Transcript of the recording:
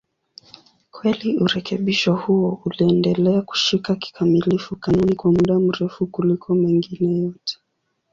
Kweli urekebisho huo uliendelea kushika kikamilifu kanuni kwa muda mrefu kuliko mengine yote.